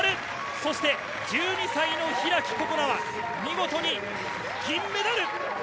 そして１２歳の開心那は、見事に銀メダル。